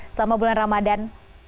selama bulan ramadan